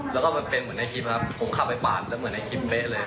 แล้วก็มันเป็นเหมือนในคลิปครับผมขับไปปาดแล้วเหมือนในคลิปเป๊ะเลย